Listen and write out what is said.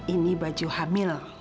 ini baju hamil